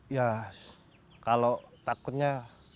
ya kalau takutnya